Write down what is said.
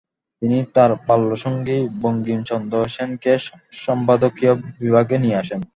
তিনি তার বাল্যসঙ্গী বঙ্কিমচন্দ্র সেনকে সম্পাদকীয় বিভাগে নিয়ে আসেন।